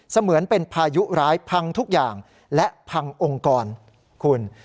เหมือนเป็นพายุร้ายพังทุกอย่างและพังองค์กรคุณ